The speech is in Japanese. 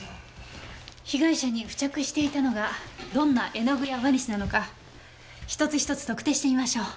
被害者に付着していたのがどんな絵の具やワニスなのか１つ１つ特定してみましょう。